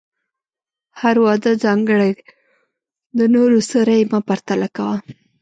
هر واده ځانګړی دی، د نورو سره یې مه پرتله کوه.